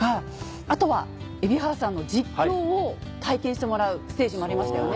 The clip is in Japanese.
あとは蛯原さんの実況を体験してもらうステージもありましたよね。